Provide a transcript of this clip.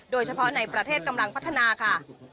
โดยเฉพาะในประเทศกำลังพัฒนาค่ะ